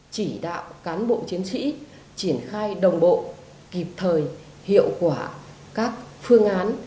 chỉ đạo cán bộ chiến sĩ triển khai đồng bộ kịp thời hiệu quả các phương án